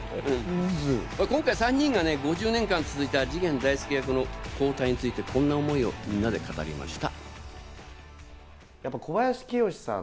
今回、３人が５０年間続いた次元大介役の交代についてこんな思いをみんなで語りました。